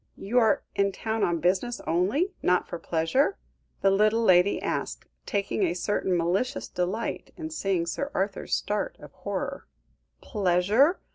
"You are in town on business only, not for pleasure?" the little lady asked, taking a certain malicious delight in seeing Sir Arthur's start of horror. "Pleasure?